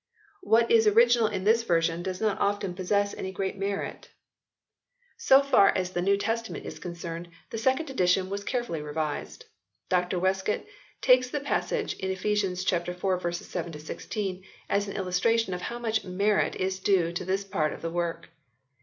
What is original in this version does not often possess any great merit." So far as the New Testament is concerned, the second edition was carefully revised. Dr Westcott takes the passage in Ephesians iv. 7 16 as an illus tration of how much merit is due to this part of the work.